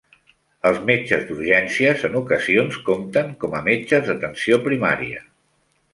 Els metges d'urgències en ocasions compten com a metges d'atenció primària.